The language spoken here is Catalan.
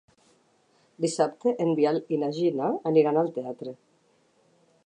Dissabte en Biel i na Gina aniran al teatre.